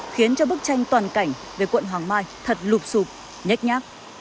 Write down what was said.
khiến cho bức tranh toàn cảnh về quận hoàng mai thật lụp sụp nhách nhác